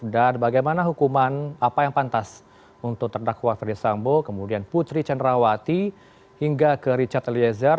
dan bagaimana hukuman apa yang pantas untuk terdakwa ferdis sambu kemudian putri cendrawati hingga ke richard eliezer